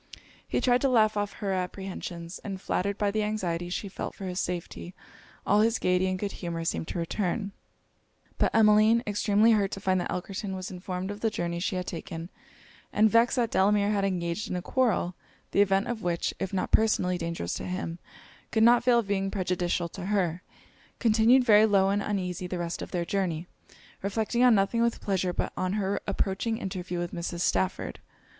He tried to laugh off her apprehensions; and flattered by the anxiety she felt for his safety, all his gaiety and good humour seemed to return. But Emmeline, extremely hurt to find that Elkerton was informed of the journey she had taken, and vexed that Delamere had engaged in a quarrel, the event of which, if not personally dangerous to him, could not fail of being prejudicial to her, continued very low and uneasy the rest of their journey, reflecting on nothing with pleasure but on her approaching interview with Mrs. Stafford.